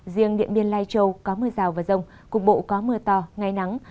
riêng điện biên lai châu có mưa rào và rông cục bộ có mưa to ngày nắng